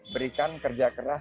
berikan kerja keras